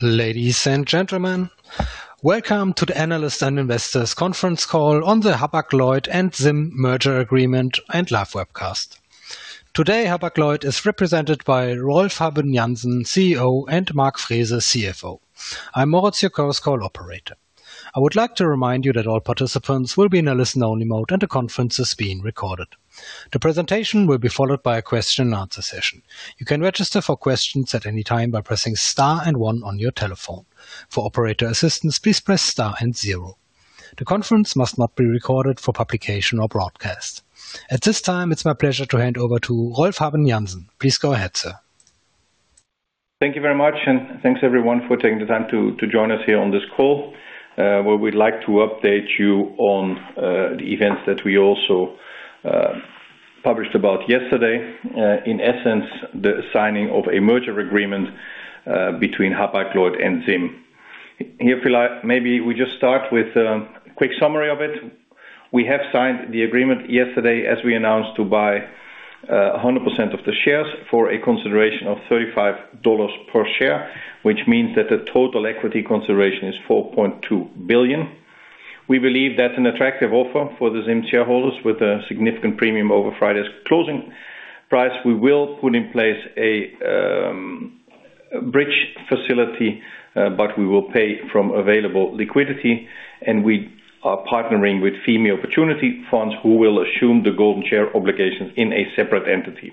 Ladies and gentlemen, welcome to the Analyst and Investors Conference Call on the Hapag-Lloyd and ZIM Merger Agreement and Live Webcast. Today, Hapag-Lloyd is represented by Rolf Habben Jansen, CEO, and Mark Frese, CFO. I'm Moritz, your call operator. I would like to remind you that all participants will be in a listen-only mode, and the conference is being recorded. The presentation will be followed by a question and answer session. You can register for questions at any time by pressing star and one on your telephone. For operator assistance, please press star and zero. The conference must not be recorded for publication or broadcast. At this time, it's my pleasure to hand over to Rolf Habben Jansen. Please go ahead, sir. Thank you very much, and thanks, everyone, for taking the time to join us here on this call. Where we'd like to update you on the events that we also published about yesterday. In essence, the signing of a merger agreement between Hapag-Lloyd and ZIM. If you like, maybe we just start with a quick summary of it. We have signed the agreement yesterday, as we announced, to buy 100% of the shares for a consideration of $35 per share, which means that the total equity consideration is $4.2 billion. We believe that's an attractive offer for the ZIM shareholders, with a significant premium over Friday's closing price. We will put in place a bridge facility, but we will pay from available liquidity, and we are partnering with FIMI Opportunity Funds, who will assume the Golden Share obligations in a separate entity.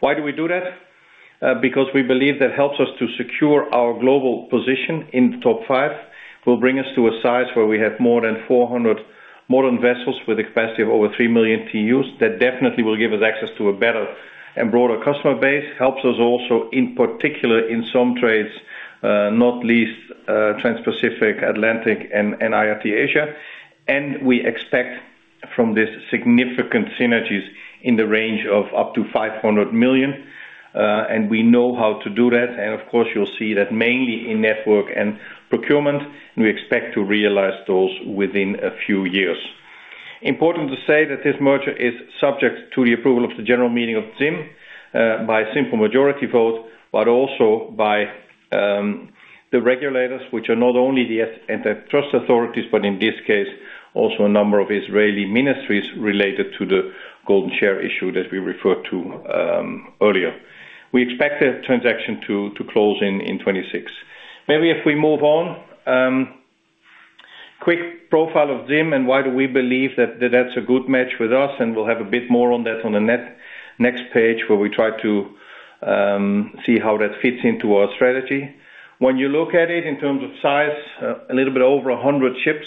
Why do we do that? Because we believe that helps us to secure our global position in the top five, will bring us to a size where we have more than 400 modern vessels with a capacity of over 3 million TEUs. That definitely will give us access to a better and broader customer base. Helps us also, in particular, in some trades, not least, Transpacific, Atlantic, and Intra-Asia. And we expect from this significant synergies in the range of up to 500 million, and we know how to do that. Of course, you'll see that mainly in network and procurement, and we expect to realize those within a few years. Important to say that this merger is subject to the approval of the general meeting of ZIM by simple majority vote, but also by the regulators, which are not only the antitrust authorities, but in this case, also a number of Israeli ministries related to the Golden Share issue that we referred to earlier. We expect the transaction to close in 2026. Maybe if we move on. Quick profile of ZIM and why do we believe that that's a good match with us, and we'll have a bit more on that on the next page, where we try to see how that fits into our strategy. When you look at it in terms of size, a little bit over 100 ships,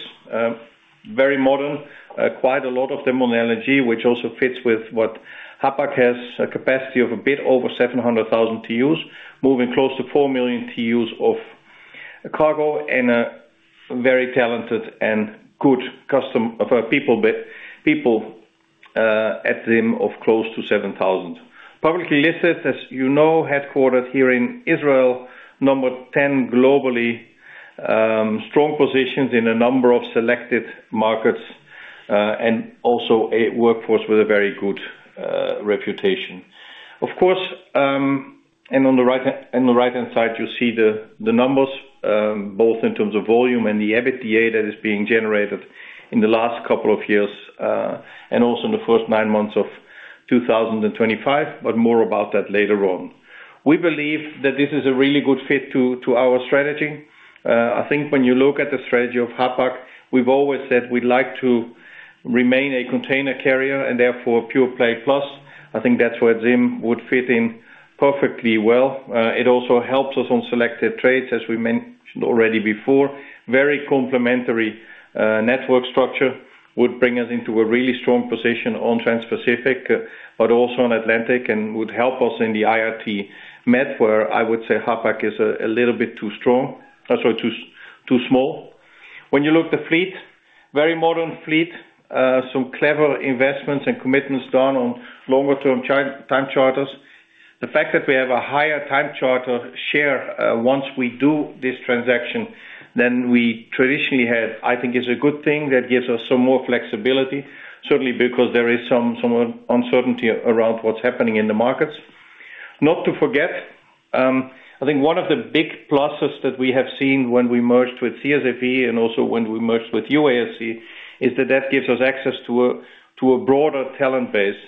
very modern, quite a lot of them on LNG, which also fits with what Hapag has, a capacity of a bit over 700,000 TEUs, moving close to 4 million TEUs of cargo and a very talented and good customer base, people at ZIM of close to 7,000. Publicly listed, as you know, headquartered here in Israel, number 10 globally, strong positions in a number of selected markets, and also a workforce with a very good reputation. Of course, and on the right, on the right-hand side, you'll see the numbers, both in terms of volume and the EBITDA that is being generated in the last couple of years, and also in the first nine months of 2025, but more about that later on. We believe that this is a really good fit to our strategy. I think when you look at the strategy of Hapag, we've always said we'd like to remain a container carrier and therefore a pure play plus. I think that's where ZIM would fit in perfectly well. It also helps us on selected trades, as we mentioned already before. Very complementary network structure would bring us into a really strong position on Transpacific, but also on Atlantic, and would help us in the Intra-Med, where I would say Hapag is a little bit too strong, sorry, too small. When you look at the fleet, very modern fleet, some clever investments and commitments done on longer-term time charters. The fact that we have a higher time charter share, once we do this transaction than we traditionally had, I think is a good thing that gives us some more flexibility, certainly because there is some uncertainty around what's happening in the markets. Not to forget, I think one of the big pluses that we have seen when we merged with CSAV and also when we merged with UASC, is that that gives us access to a broader talent base.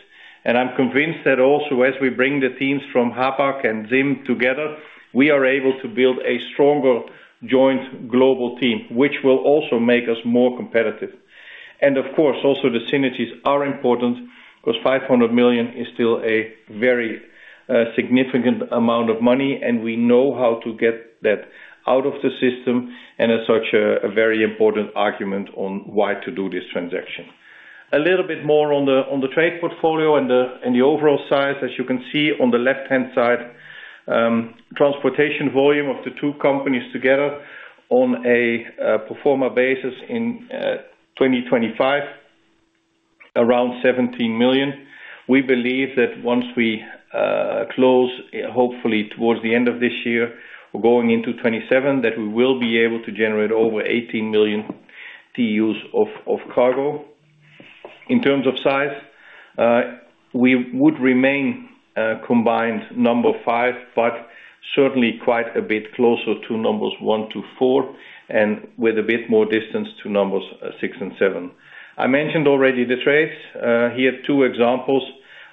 And I'm convinced that also, as we bring the teams from Hapag and ZIM together, we are able to build a stronger joint global team, which will also make us more competitive. And of course, also the synergies are important because 500 million is still a very significant amount of money, and we know how to get that out of the system, and as such, a very important argument on why to do this transaction. A little bit more on the trade portfolio and the overall size. As you can see on the left-hand side, transportation volume of the two companies together on a pro forma basis in 2025, around 17 million. We believe that once we close, hopefully towards the end of this year or going into 2027, that we will be able to generate over 18 million TEUs of, of cargo. In terms of size, we would remain combined number five, but certainly quite a bit closer to numbers one to four, and with a bit more distance to numbers six and seven. I mentioned already the trades, here are two examples.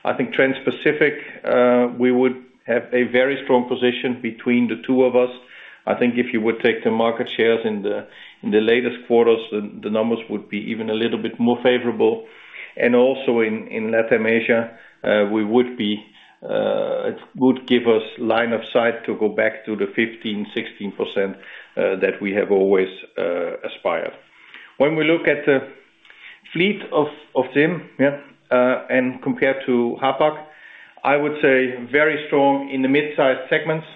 I think Transpacific, we would have a very strong position between the two of us. I think if you would take the market shares in the, in the latest quarters, the, the numbers would be even a little bit more favorable. Also in Intra-Asia, we would be, it would give us line of sight to go back to the 15%-16% that we have always aspired. When we look at the fleet of ZIM, yeah, and compared to Hapag, I would say very strong in the mid-size segments,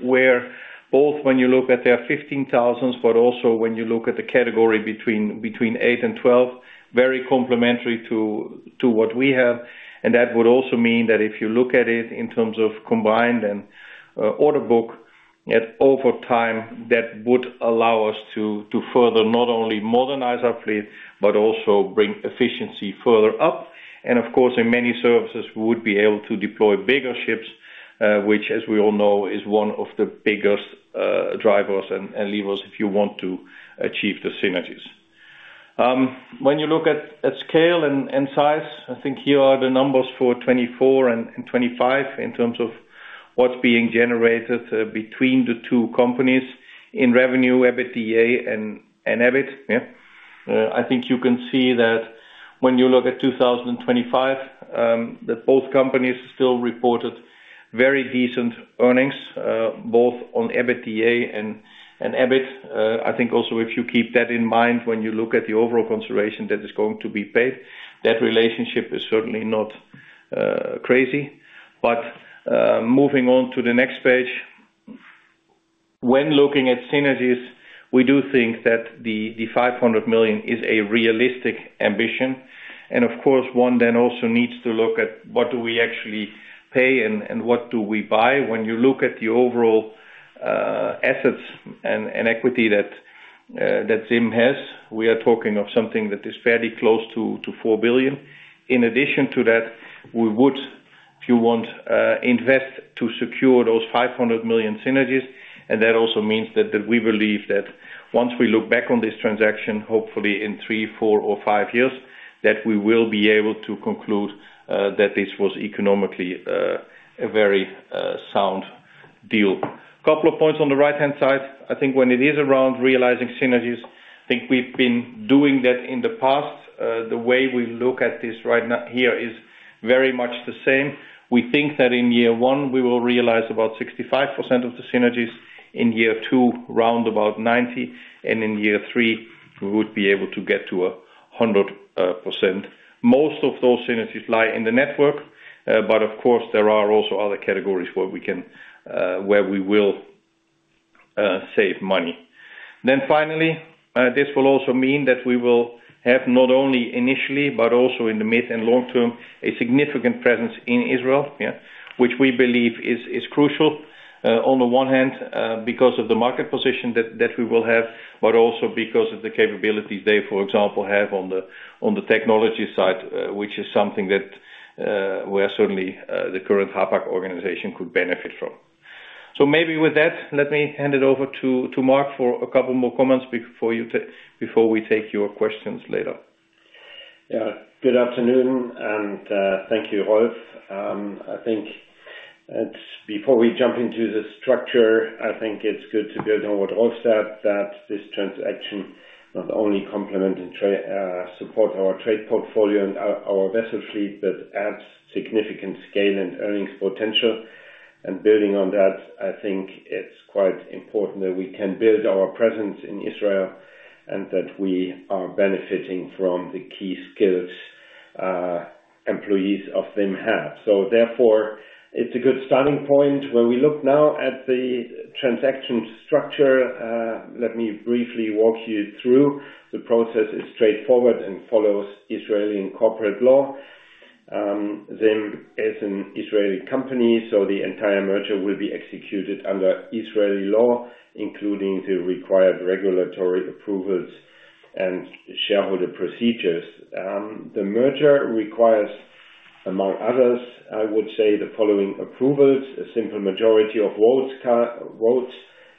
where both when you look at their 15,000s, but also when you look at the category between eight and 12, very complementary to what we have. And that would also mean that if you look at it in terms of combined and order book, at over time, that would allow us to further not only modernize our fleet, but also bring efficiency further up. And of course, in many services, we would be able to deploy bigger ships, which, as we all know, is one of the biggest drivers and levers if you want to achieve the synergies. When you look at scale and size, I think here are the numbers for 2024 and 2025, in terms of what's being generated between the two companies in revenue, EBITDA and EBIT, yeah. I think you can see that when you look at 2025, that both companies still reported very decent earnings, both on EBITDA and EBIT. I think also, if you keep that in mind, when you look at the overall consideration that is going to be paid, that relationship is certainly not crazy. But, moving on to the next page. When looking at synergies, we do think that the $500 million is a realistic ambition. Of course, one then also needs to look at what do we actually pay and what do we buy? When you look at the overall assets and equity that ZIM has, we are talking of something that is fairly close to $4 billion. In addition to that, we would, if you want, invest to secure those $500 million synergies. And that also means that we believe that once we look back on this transaction, hopefully in 3, 4 or 5 years, that we will be able to conclude that this was economically a very sound deal. A couple of points on the right-hand side. I think when it is around realizing synergies, I think we've been doing that in the past. The way we look at this right now, here, is very much the same. We think that in year one, we will realize about 65% of the synergies. In year two, round about 90%, and in year three, we would be able to get to a 100%. Most of those synergies lie in the network, but of course, there are also other categories where we can, where we will, save money. Then finally, this will also mean that we will have not only initially, but also in the mid and long term, a significant presence in Israel, yeah, which we believe is, is crucial. On the one hand, because of the market position that we will have, but also because of the capabilities they, for example, have on the technology side, which is something that where certainly the current Hapag organization could benefit from. So maybe with that, let me hand it over to Mark for a couple more comments before we take your questions later. Yeah, good afternoon, and, thank you, Rolf. I think it's good to build on what Rolf said, that this transaction not only complement and support our trade portfolio and our vessel fleet, but adds significant scale and earnings potential. And building on that, I think it's quite important that we can build our presence in Israel, and that we are benefiting from the key skills employees of ZIM have. So therefore, it's a good starting point. When we look now at the transaction structure, let me briefly walk you through. The process is straightforward and follows Israeli and corporate law. ZIM is an Israeli company, so the entire merger will be executed under Israeli law, including the required regulatory approvals and shareholder procedures. The merger requires, among others, I would say, the following approvals: a simple majority of votes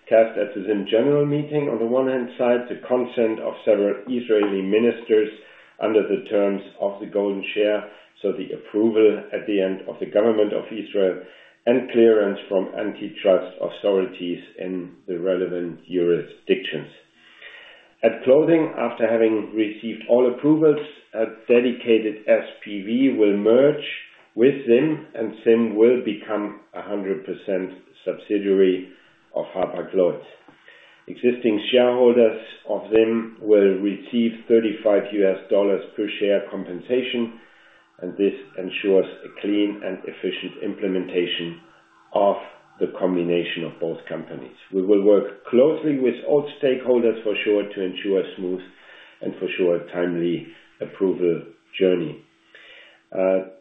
cast at the ZIM general meeting, on the one hand side, the consent of several Israeli ministers under the terms of the Golden Share, so the approval at the end of the government of Israel, and clearance from antitrust authorities in the relevant jurisdictions. At closing, after having received all approvals, a dedicated SPV will merge with ZIM, and ZIM will become a 100% subsidiary of Hapag-Lloyd. Existing shareholders of ZIM will receive $35 per share compensation, and this ensures a clean and efficient implementation of the combination of both companies. We will work closely with all stakeholders, for sure, to ensure a smooth and for sure, timely approval journey.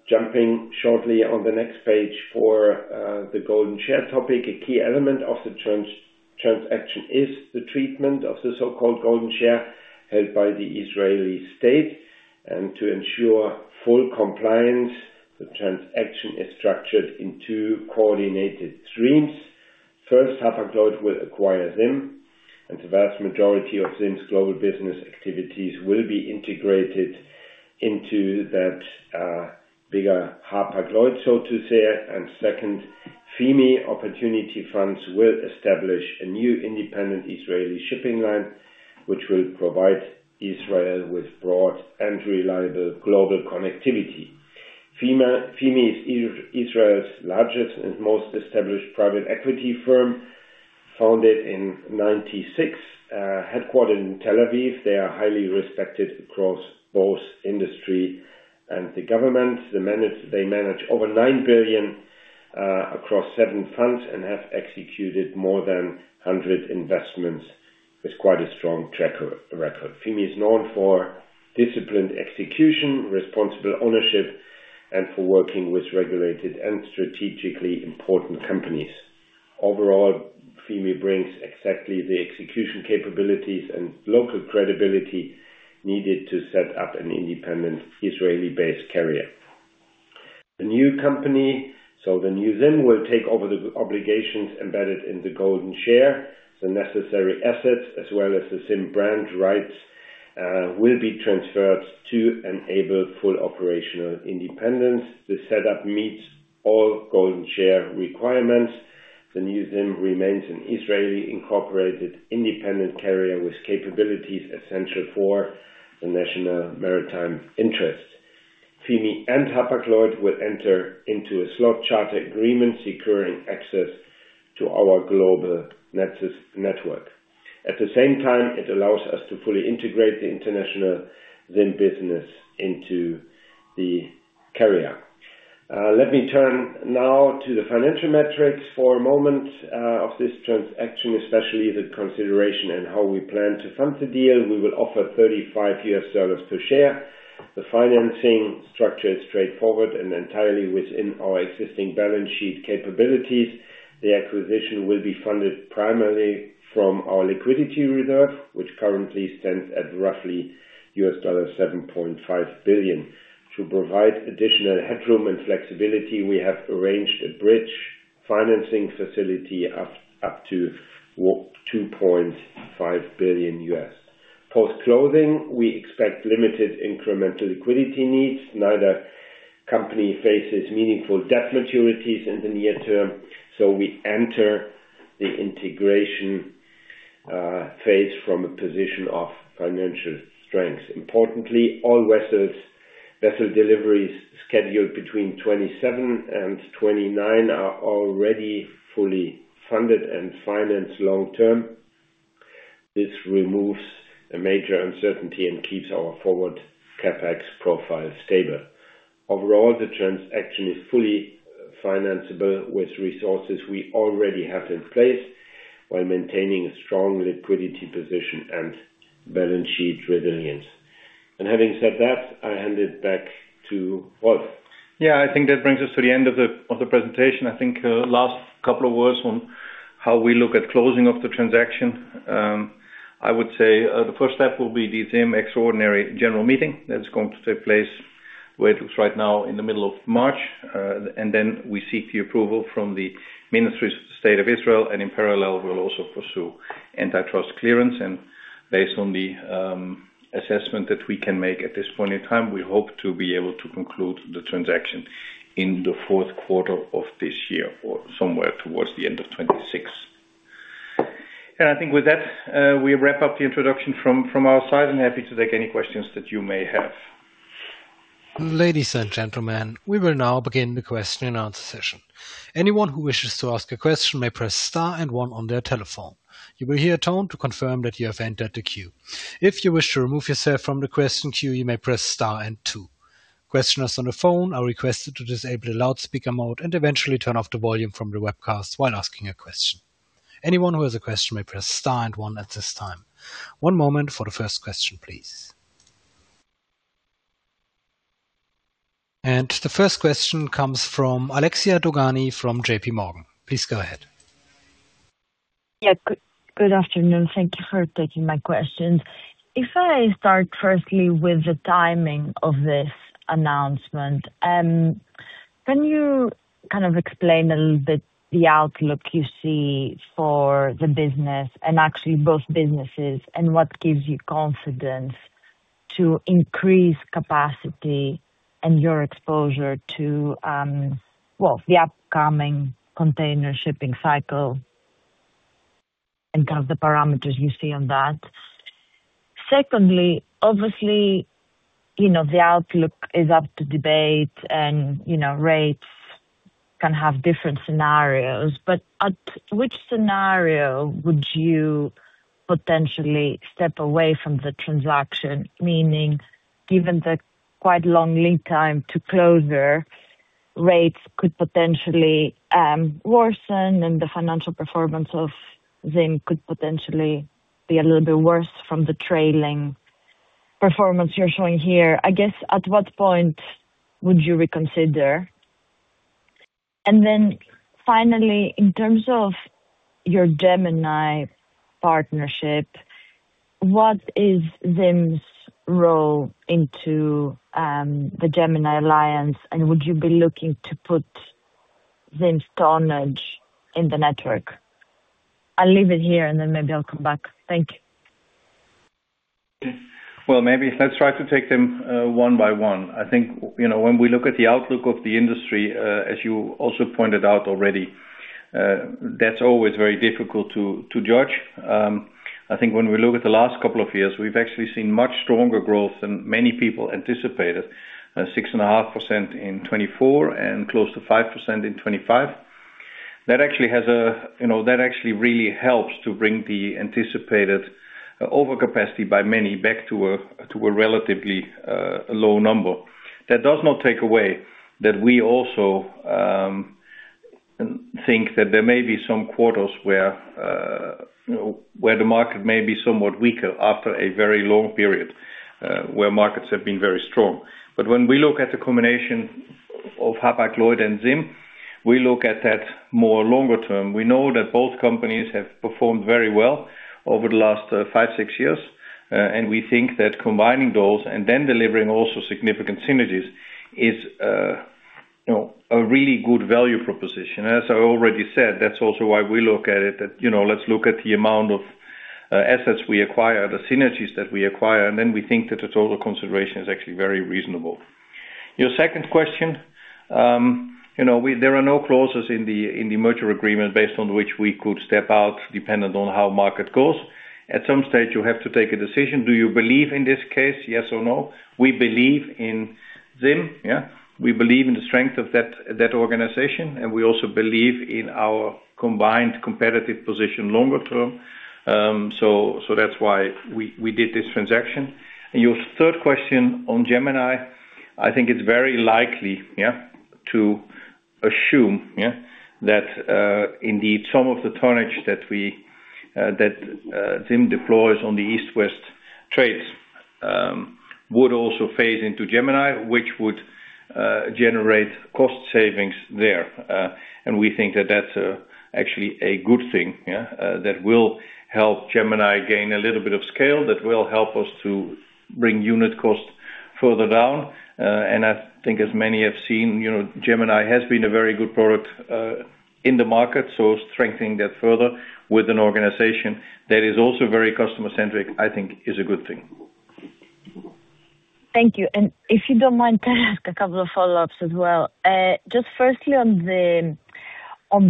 Jumping shortly on the next page for the Golden Share topic. A key element of the transaction is the treatment of the so-called Golden Share, held by the Israeli state. To ensure full compliance, the transaction is structured in two coordinated streams. First, Hapag-Lloyd will acquire ZIM, and the vast majority of ZIM's global business activities will be integrated into that bigger Hapag-Lloyd, so to say. Second, FIMI Opportunity Funds will establish a new independent Israeli shipping line, which will provide Israel with broad and reliable global connectivity. FIMI is Israel's largest and most established private equity firm, founded in 1996. Headquartered in Tel Aviv, they are highly respected across both industry and the government. They manage $9 billion across 7 funds and have executed more than 100 investments, with quite a strong track record. FIMI is known for disciplined execution, responsible ownership, and for working with regulated and strategically important companies. Overall, FIMI brings exactly the execution capabilities and local credibility needed to set up an independent Israeli-based carrier. The new company, so the new ZIM, will take over the obligations embedded in the Golden Share. The necessary assets, as well as the ZIM brand rights, will be transferred to enable full operational independence. The setup meets all Golden Share requirements. The new ZIM remains an Israeli-incorporated independent carrier with capabilities essential for the national maritime interest. FIMI and Hapag-Lloyd will enter into a slot charter agreement, securing access to our global nexus network. At the same time, it allows us to fully integrate the international ZIM business into the carrier. Let me turn now to the financial metrics for a moment, of this transaction, especially the consideration and how we plan to fund the deal. We will offer $35 per share. The financing structure is straightforward and entirely within our existing balance sheet capabilities. The acquisition will be funded primarily from our liquidity reserve, which currently stands at roughly $7.5 billion. To provide additional headroom and flexibility, we have arranged a bridge financing facility up to, well, $2.5 billion. Post-closing, we expect limited incremental liquidity needs. Neither company faces meaningful debt maturities in the near term, so we enter the integration phase from a position of financial strength. Importantly, all vessels, vessel deliveries scheduled between 2027 and 2029 are already fully funded and financed long term. This removes a major uncertainty and keeps our forward CapEx profile stable. Overall, the transaction is fully financiable with resources we already have in place, while maintaining a strong liquidity position and balance sheet resilience. Having said that, I hand it back to Rolf. Yeah, I think that brings us to the end of the presentation. I think, last couple of words on how we look at closing of the transaction. I would say, the first step will be the ZIM extraordinary general meeting. That's going to take place, well, it's right now in the middle of March. And then we seek the approval from the ministries of the State of Israel, and in parallel, we'll also pursue antitrust clearance. And based on the assessment that we can make at this point in time, we hope to be able to conclude the transaction in the fourth quarter of this year or somewhere towards the end of 2026. And I think with that, we wrap up the introduction from our side, and happy to take any questions that you may have. Ladies and gentlemen, we will now begin the question-and-answer session. Anyone who wishes to ask a question may press star and one on their telephone. You will hear a tone to confirm that you have entered the queue. If you wish to remove yourself from the question queue, you may press star and two. Questioners on the phone are requested to disable the loudspeaker mode and eventually turn off the volume from the webcast while asking a question. Anyone who has a question may press star and one at this time. One moment for the first question, please. The first question comes from Alexia Dogani, from J.P. Morgan. Please go ahead. Yeah, good, good afternoon. Thank you for taking my questions. If I start firstly with the timing of this announcement, can you kind of explain a little bit the outlook you see for the business and actually both businesses, and what gives you confidence to increase capacity and your exposure to, well, the upcoming container shipping cycle, and kind of the parameters you see on that? Secondly, obviously, you know, the outlook is up to debate and, you know, rates can have different scenarios, but at which scenario would you potentially step away from the transaction? Meaning, given the quite long lead time to closure, rates could potentially worsen and the financial performance of ZIM could potentially be a little bit worse from the trailing performance you're showing here. I guess, at what point would you reconsider? And then finally, in terms of your Gemini partnership, what is ZIM's role into, the Gemini Alliance, and would you be looking to put ZIM's tonnage in the network? I'll leave it here, and then maybe I'll come back. Thank you. Well, maybe let's try to take them one by one. I think, you know, when we look at the outlook of the industry, as you also pointed out already, that's always very difficult to judge. I think when we look at the last couple of years, we've actually seen much stronger growth than many people anticipated, 6.5% in 2024 and close to 5% in 2025. That actually has a, you know, that actually really helps to bring the anticipated overcapacity by many back to a relatively low number. That does not take away that we also think that there may be some quarters where, you know, where the market may be somewhat weaker after a very long period where markets have been very strong. But when we look at the combination of Hapag-Lloyd and ZIM, we look at that more longer term. We know that both companies have performed very well over the last five, six years. And we think that combining those and then delivering also significant synergies is, you know, a really good value proposition. As I already said, that's also why we look at it, that, you know, let's look at the amount of assets we acquire, the synergies that we acquire, and then we think that the total consideration is actually very reasonable. Your second question, you know, there are no clauses in the merger agreement based on which we could step out, dependent on how market goes. At some stage, you have to take a decision. Do you believe in this case, yes or no? We believe in ZIM, yeah. We believe in the strength of that organization, and we also believe in our combined competitive position longer term. So that's why we did this transaction. And your third question on Gemini, I think it's very likely to assume that indeed some of the tonnage that ZIM deploys on the East-West trades would also phase into Gemini, which would generate cost savings there. And we think that that's actually a good thing that will help Gemini gain a little bit of scale, that will help us to bring unit costs further down. And I think as many have seen, you know, Gemini has been a very good product in the market, so strengthening that further with an organization that is also very customer-centric, I think is a good thing. Thank you. And if you don't mind, can I ask a couple of follow-ups as well? Just firstly on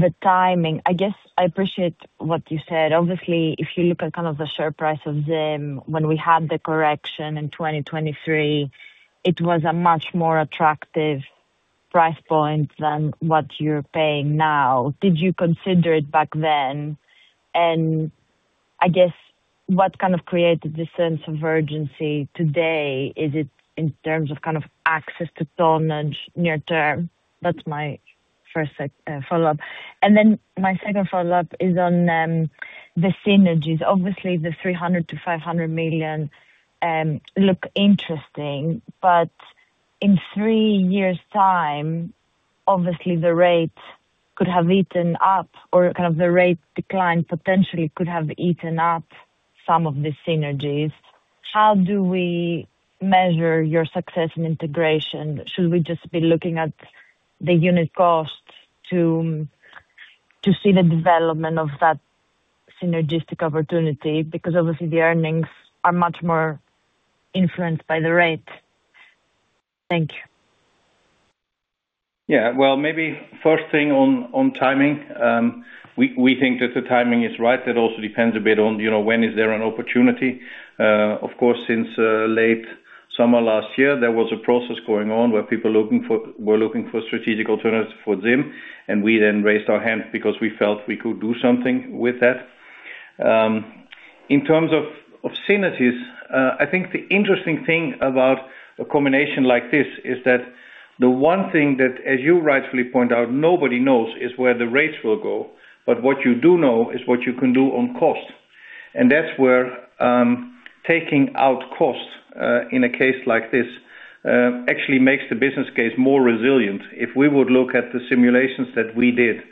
the timing, I guess I appreciate what you said. Obviously, if you look at kind of the share price of ZIM, when we had the correction in 2023, it was a much more attractive price point than what you're paying now. Did you consider it back then? And I guess, what kind of created this sense of urgency today, is it in terms of kind of access to tonnage near term? That's my first follow-up. And then my second follow-up is on the synergies. Obviously, the $300 million-$500 million look interesting, but in three years' time, obviously, the rate could have eaten up or kind of the rate decline potentially could have eaten up some of the synergies. How do we measure your success in integration? Should we just be looking at the unit costs to see the development of that synergistic opportunity? Because obviously the earnings are much more influenced by the rate. Thank you. Yeah. Well, maybe first thing on timing, we think that the timing is right. That also depends a bit on, you know, when is there an opportunity. Of course, since late summer last year, there was a process going on where people were looking for strategic alternatives for ZIM, and we then raised our hands because we felt we could do something with that. In terms of synergies, I think the interesting thing about a combination like this is that the one thing that, as you rightfully point out, nobody knows, is where the rates will go, but what you do know is what you can do on cost. And that's where taking out costs in a case like this actually makes the business case more resilient. If we would look at the simulations that we did,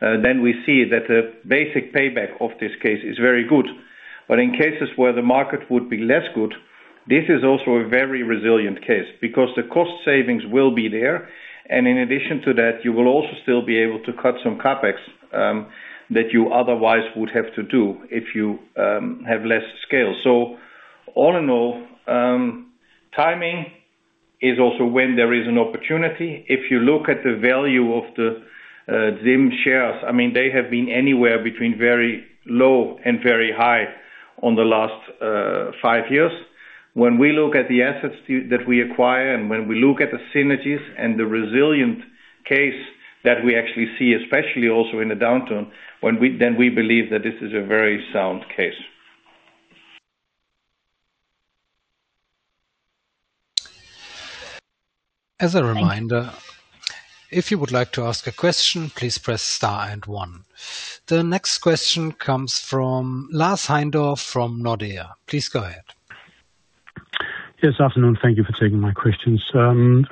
then we see that the basic payback of this case is very good. But in cases where the market would be less good, this is also a very resilient case, because the cost savings will be there, and in addition to that, you will also still be able to cut some CapEx, that you otherwise would have to do if you have less scale. So all in all, timing is also when there is an opportunity. If you look at the value of the ZIM shares, I mean, they have been anywhere between very low and very high on the last five years. When we look at the assets that we acquire, and when we look at the synergies and the resilient case that we actually see, especially also in the downturn, then we believe that this is a very sound case.... As a reminder, if you would like to ask a question, please press star and one. The next question comes from Lars Heindorff from Nordea. Please go ahead. Yes, afternoon. Thank you for taking my questions. A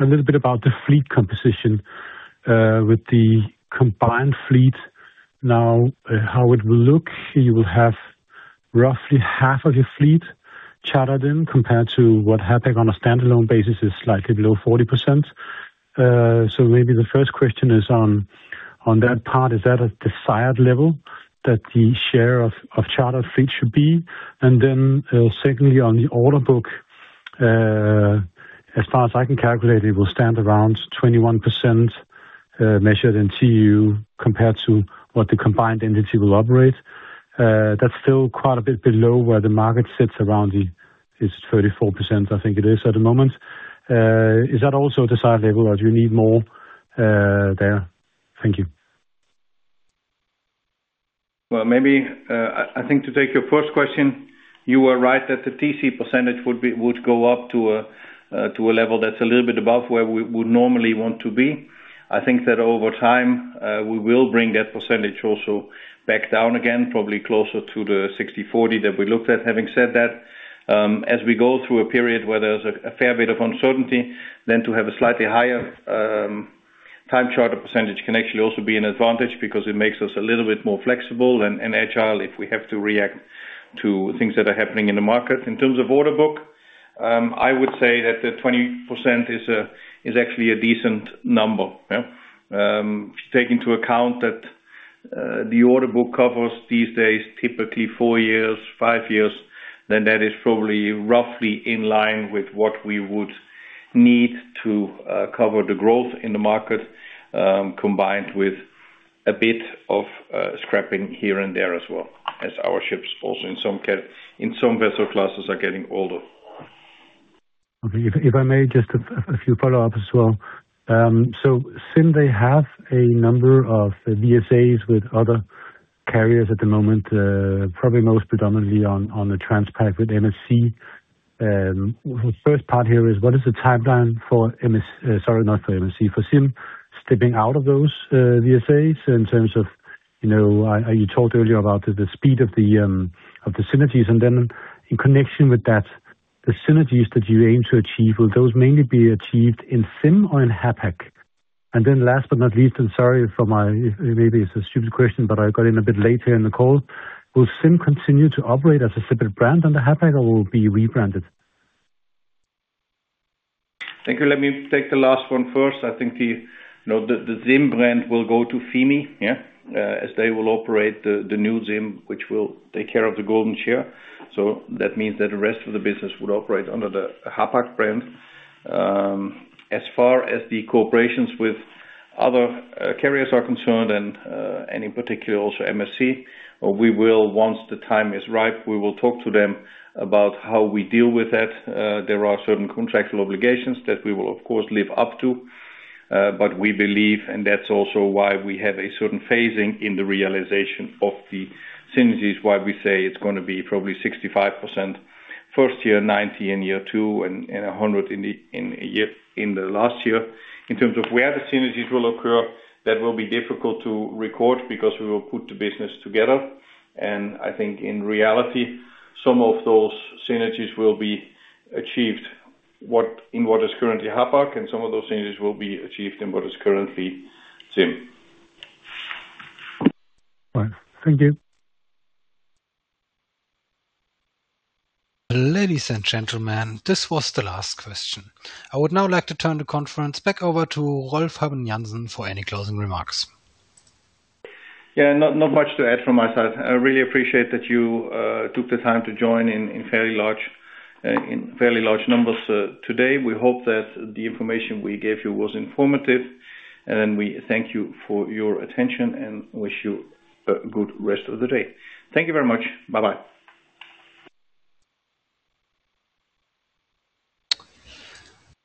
little bit about the fleet composition with the combined fleet. Now, how it will look, you will have roughly half of your fleet chartered in, compared to what Hapag on a standalone basis is slightly below 40%. So maybe the first question is on that part, is that a desired level that the share of chartered fleet should be? And then, secondly, on the order book, as far as I can calculate, it will stand around 21%, measured in TEU, compared to what the combined entity will operate. That's still quite a bit below where the market sits around, it's 34%, I think it is at the moment. Is that also a desired level, or do you need more there? Thank you. Well, maybe, I think to take your first question, you are right that the TC percentage would go up to a level that's a little bit above where we would normally want to be. I think that over time, we will bring that percentage also back down again, probably closer to the 60/40 that we looked at. Having said that, as we go through a period where there's a fair bit of uncertainty, then to have a slightly higher time charter percentage can actually also be an advantage because it makes us a little bit more flexible and agile if we have to react to things that are happening in the market. In terms of order book, I would say that the 20% is actually a decent number. Yeah. If you take into account that the order book covers these days typically 4 years, 5 years, then that is probably roughly in line with what we would need to cover the growth in the market, combined with a bit of scrapping here and there as well, as our ships also in some vessel classes are getting older. Okay. If I may, just a few follow-ups as well. So since they have a number of VSAs with other carriers at the moment, probably most predominantly on the transpacific with MSC, the first part here is, what is the timeline for MSC... Sorry, not for MSC, for ZIM stepping out of those VSAs in terms of, you know, I, you talked earlier about the speed of the synergies, and then in connection with that, the synergies that you aim to achieve, will those mainly be achieved in ZIM or in Hapag? And then last but not least, and sorry for my, maybe it's a stupid question, but I got in a bit later in the call: Will ZIM continue to operate as a separate brand under Hapag, or will it be rebranded? Thank you. Let me take the last one first. I think you know, the ZIM brand will go to FIMI, yeah, as they will operate the new ZIM, which will take care of the golden share. So that means that the rest of the business would operate under the Hapag brand. As far as the co-operations with other carriers are concerned, and in particular also MSC, we will, once the time is ripe, we will talk to them about how we deal with that. There are certain contractual obligations that we will, of course, live up to, but we believe, and that's also why we have a certain phasing in the realization of the synergies, why we say it's gonna be probably 65% first year, 90% in year two, and, and 100% in the, in year, in the last year. In terms of where the synergies will occur, that will be difficult to record because we will put the business together, and I think in reality, some of those synergies will be achieved, what, in what is currently Hapag, and some of those synergies will be achieved in what is currently ZIM. Fine. Thank you. Ladies and gentlemen, this was the last question. I would now like to turn the conference back over to Rolf Habben Jansen for any closing remarks. Yeah, not much to add from my side. I really appreciate that you took the time to join in fairly large numbers today. We hope that the information we gave you was informative, and we thank you for your attention and wish you a good rest of the day. Thank you very much. Bye-bye.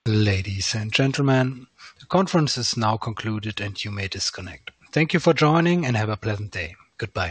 Ladies and gentlemen, the conference is now concluded, and you may disconnect. Thank you for joining, and have a pleasant day. Goodbye.